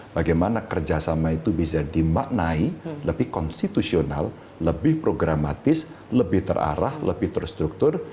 bagaimana kerjasama itu bisa dimaknai lebih konstitusional lebih programatis lebih terarah lebih terstruktur